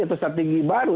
atau strategi baru